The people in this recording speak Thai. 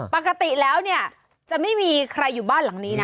ปกติแล้วเนี่ยจะไม่มีใครอยู่บ้านหลังนี้นะ